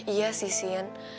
iya sih sien